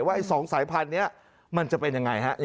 ไอ้๒สายพันธุ์นี้มันจะเป็นยังไงฮะ